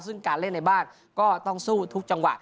ซึ่งการเล่นในบ้านก็ต้องสู้ทุกจังหวะ